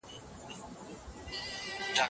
د خدای له عذاب څخه وویریږئ.